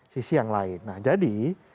sisi yang lain nah jadi